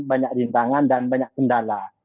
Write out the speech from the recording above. banyak rintangan dan banyak kendala